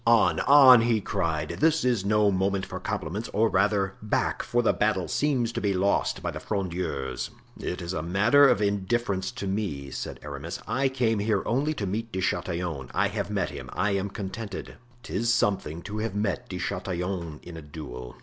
"On, on!" he cried, "this is no moment for compliments; or rather, back, for the battle seems to be lost by the Frondeurs." "It is a matter of indifference to me," said Aramis; "I came here only to meet De Chatillon; I have met him, I am contented; 'tis something to have met De Chatillon in a duel!"